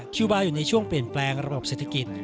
คิวบาร์อยู่ในช่วงเปลี่ยนแปลงระบบเศรษฐกิจ